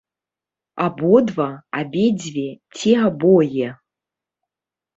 Абодва, абедзве ці абое?